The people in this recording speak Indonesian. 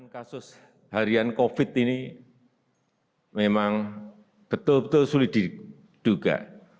kasus harian covid ini memang betul betul sulit diduga